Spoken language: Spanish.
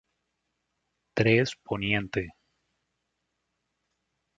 Tres Poniente.